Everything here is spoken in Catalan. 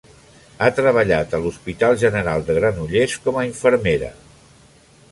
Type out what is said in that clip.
Ha treballat a l'Hospital General de Granollers com a infermera.